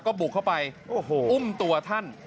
ก็บุกเข้าไปอุ้มตัวท่าน